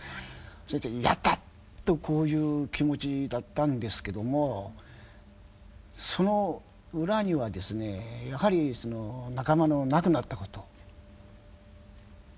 その時「やった！」とこういう気持ちだったんですけどもその裏にはですねやはりその仲間の亡くなったこと。